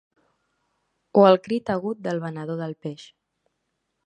O el crit agut del venedor de peix.